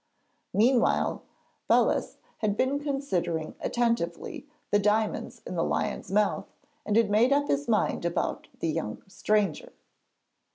Meanwhile Belus had been considering attentively the diamonds in the lion's mouth and had made up his mind about the young stranger.